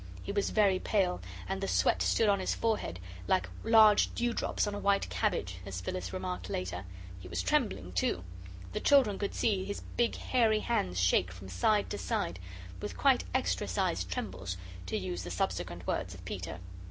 He was very pale, and the sweat stood on his forehead "like large dewdrops on a white cabbage," as Phyllis remarked later. He was trembling, too; the children could see his big hairy hands shake from side to side, "with quite extra sized trembles," to use the subsequent words of Peter.